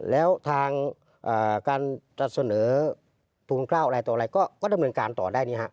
แล้วทางการตัดเสนอภูมิคร่าวอะไรต่ออะไรก็ได้เหมือนกันต่อได้เนี่ยฮะ